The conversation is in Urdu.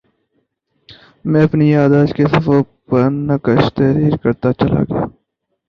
میں اپنی یادداشت کے صفحوں پر نقش تحریر کرتاچلا گیا